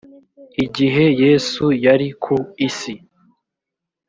igihe yesu yari ku isi